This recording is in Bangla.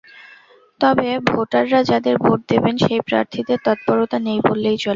তবে ভোটাররা যাঁদের ভোট দেবেন, সেই প্রার্থীদের তত্পরতা নেই বললেই চলে।